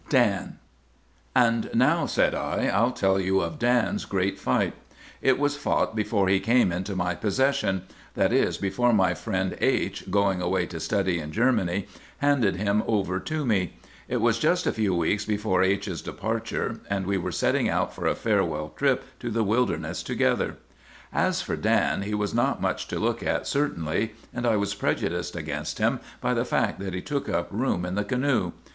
DAN. "And now," said I, "I'll tell you of Dan's great fight. It was fought before he came into my possession; that is, before my friend H——, going away to study in Germany, handed him over to me. It was just a few weeks before H——'s departure, and we were setting out for a farewell trip to the wilderness together. "As for Dan, he was not much to look at certainly; and I was prejudiced against him by the fact that he took up room in the canoe.